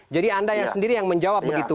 jadi anda sendiri yang menjawab begitu